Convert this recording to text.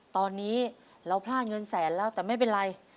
ตอนนี้เราพลาดเงินแสนแล้วแต่ไม่เป็นไร